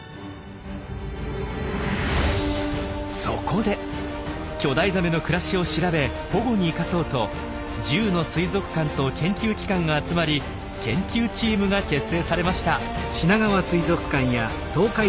そこで巨大ザメの暮らしを調べ保護に生かそうと１０の水族館と研究機関が集まり研究チームが結成されました。